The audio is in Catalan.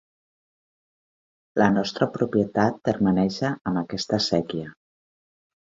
La nostra propietat termeneja amb aquesta séquia.